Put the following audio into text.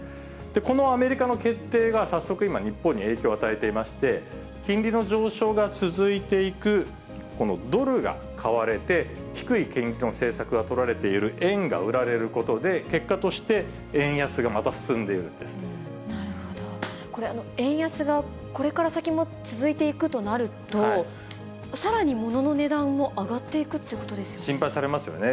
このアメリカの決定が早速今、日本に影響を与えていまして、金利の上昇が続いていくドルが買われて、低い金利の政策が取られている円が売られることで、結果として円なるほど、これ、円安がこれから先も続いていくとなると、さらにものの値段も上がっていくということですよね。